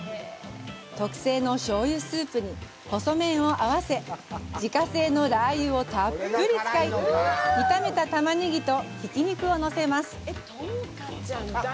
特製の醤油スープに細麺を合わせ自家製のラー油をたっぷり使い炒めたタマネギとひき肉をのせます。